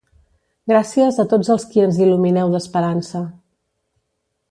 Gràcies a tots els qui ens il·lumineu d’esperança.